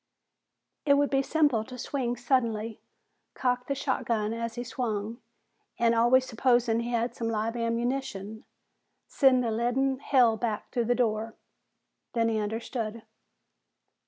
It would be simple to swing suddenly, cock the shotgun as he swung and, always supposing he had some live ammunition, send a leaden hail back through the door. Then he understood.